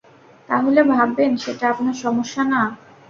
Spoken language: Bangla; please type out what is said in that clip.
তাহলে ভাববেন সেটা আপনার সমস্যা না।